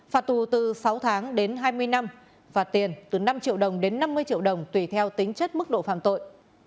phạt tù từ sáu tháng đến hai mươi năm phạt tiền từ năm triệu đồng đến năm mươi triệu đồng tùy theo tính chất mức độ phạm tội